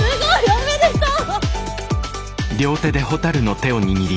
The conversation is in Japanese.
おめでとう！